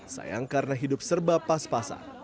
sayang karena hidup serba pas pasan